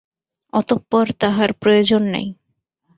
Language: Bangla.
অতঃপর তাহার প্রয়ােজন নাই।